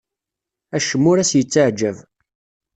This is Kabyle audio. Acemma ur as-yettaɛjab.